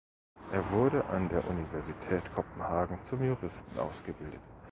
Er wurde an der Universität Kopenhagen zum Juristen ausgebildet.